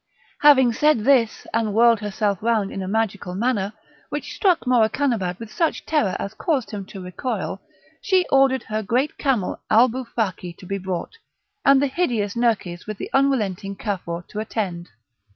Having said this, and whirled herself round in a magical manner, which struck Morakanabad with such terror as caused him to recoil, she ordered her great camel Alboufaki to be brought, and the hideous Nerkes with the unrelenting Cafour to attend.